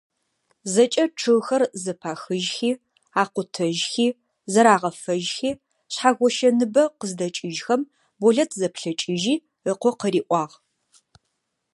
ЗэкӀэ чъыгхэр зэпахыжьхи, акъутэжьхи, зэрагъэфэжьхи, Шъхьэгощэ ныбэ къыздэкӀыжьхэм, Болэт зэплъэкӀыжьи ыкъо къыриӀуагъ.